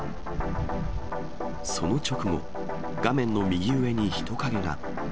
その直後、画面の右上に人影が。